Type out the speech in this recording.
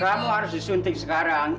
kamu harus disuntik sekarang